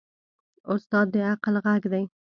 استاد د عقل غږ دی.